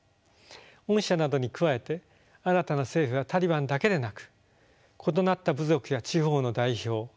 恩赦などに加えて新たな政府はタリバンだけでなく異なった部族や地方の代表